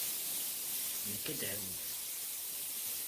Nekk ad ɛiwneɣ.